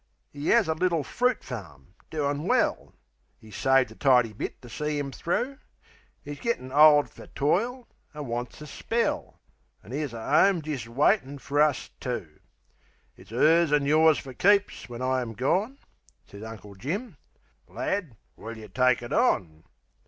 'E 'as a little fruit farm, doin' well; 'E saved a tidy bit to see 'im thro'; 'E's gettin' old fer toil, an' wants a spell; An' 'ere's a 'ome jist waitin' fer us two. "It's 'ers an' yours fer keeps when I am gone," Sez Uncle Jim. "Lad, will yeh take it on?"